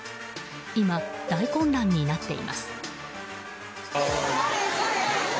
今、大混乱になっています。